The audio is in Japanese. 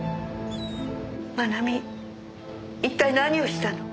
愛美一体何をしたの？